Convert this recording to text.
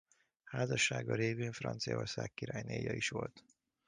Házassága révén Franciaország királynéja is volt.